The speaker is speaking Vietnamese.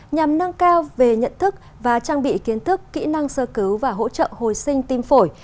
nhằm nâng cao về nhận thức và trang bị kiến thức kỹ năng sơ cứu và hỗ trợ hồi sinh tim phổi